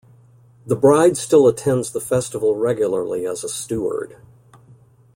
The bride still attends the festival regularly as a steward.